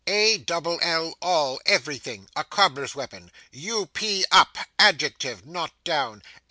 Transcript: A double 1 all, everything a cobbler's weapon. U p up, adjective, not down.